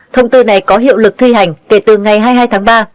thông tư này có hiệu lực thi hành kể từ ngày hai mươi hai tháng ba